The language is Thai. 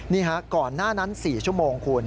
นี่ฮะก่อนหน้านั้น๔ชั่วโมงคุณ